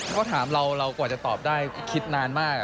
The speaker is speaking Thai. ก็ถามเราเรากว่าจะตอบได้คิดนานมาก